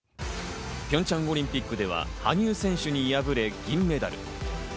ピョンチャンオリンピックでは羽生選手に敗れ銀メダル。